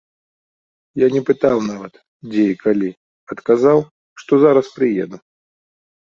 Я не пытаў нават, дзе і калі, адказаў, што зараз прыеду.